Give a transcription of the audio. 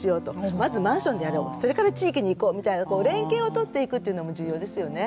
まずマンションでやろうそれから地域に行こうみたいな連携をとっていくというのも重要ですよね。